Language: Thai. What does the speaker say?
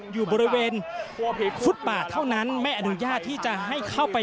อยู่บริเวณฟุตบาทเท่านั้นไม่อนุญาตที่จะให้เข้าไป